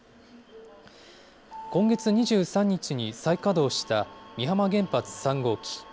今月２３日に再稼働した美浜原発３号機。